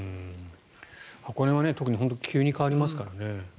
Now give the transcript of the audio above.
箱根は特に急に変わりますからね。